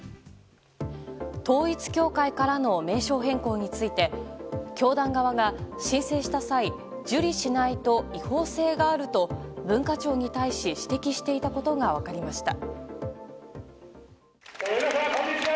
統一教会からの名称変更について教団側が申請した際受理しないと違法性があると文化庁に対し指摘していたことが分かりました。